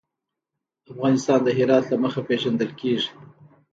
افغانستان د هرات له مخې پېژندل کېږي.